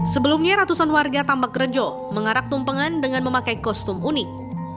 sebelumnya ratusan warga tambak rejo mengarak tumpengan dengan memakai kostum unik